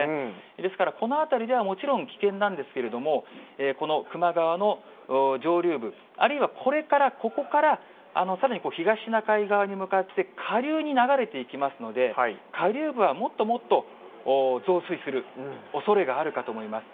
ですから、この辺りではもちろん危険なんですけれども、この球磨川の上流部、あるいはこれから、ここからさらに東シナ海側に向かって下流に流れていきますので、下流部は、もっともっと増水するおそれがあるかと思います。